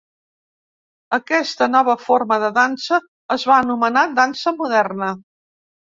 Aquesta nova forma de dansa es va anomenar dansa moderna.